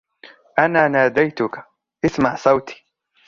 أنا ناديتك, إسمع صوتي.